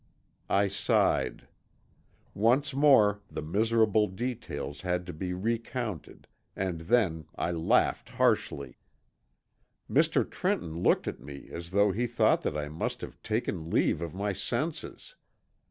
I sighed. Once more the miserable details had to be recounted and then I laughed harshly. Mr. Trenton looked at me as though he thought that I must have taken leave of my senses.